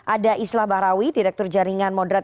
ada islah bahrawi direktur jaringan moderat